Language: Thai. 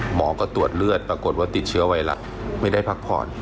หมอก็ตรวจเลือดปรากฏว่าติดเชื้อไวรัสไม่ได้พักผ่อน